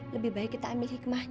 lebih baik kita ambil hikmahnya